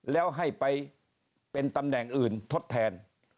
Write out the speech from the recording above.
แล้วให้ไปเป็นตำแหน่งอื่นทดแทน